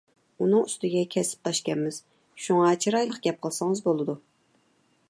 ئۇنىڭ ئۈستىگە كەسىپداشكەنمىز. شۇڭا چىرايلىق گەپ قىلسىڭىز بولىدۇ.